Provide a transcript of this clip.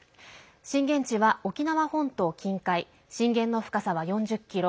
震源地は沖縄本島近海震源の深さは４０キロ。